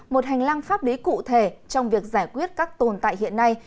một hành lang pháp lý cụ thể trong việc giải quyết các tồn tại hiện nay